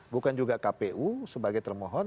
bukan juga kpu sebagai termohon